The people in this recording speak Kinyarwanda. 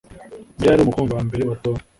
Mariya yari umukunzi wa mbere wa Tom